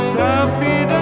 tapi dekat di doa